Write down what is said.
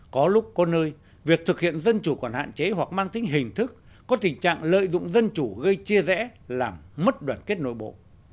có lúc có nơi việc thực hiện dân chủ còn hạn chế hoặc mang tính hình thức có tình trạng lợi dụng dân chủ gây chia rẽ làm mất đoàn kết nội bộ